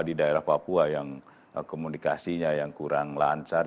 di daerah papua yang komunikasinya yang kurang lancar